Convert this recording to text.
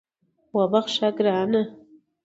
وبخښه ګرانه